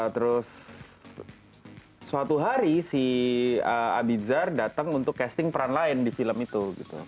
terus suatu hari si abizar datang untuk casting peran lain di film itu